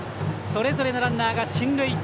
それぞれのランナーが進塁。